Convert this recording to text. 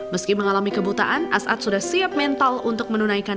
meski mengalami kebutaan as'ad sudah siap mental untuk menunaikan